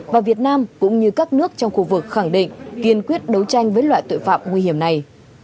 và việt nam cũng như các nước trong khu vực khẳng định kiên quyết đấu tranh với loại tội phạm nguy hiểm này